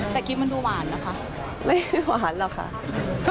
แต่คิดมันดูหวานหรอค่ะ